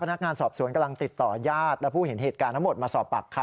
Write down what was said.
พนักงานสอบสวนกำลังติดต่อยาศ